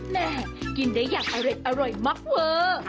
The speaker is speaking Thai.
แม่กินได้อย่างอร่อยมากเวอร์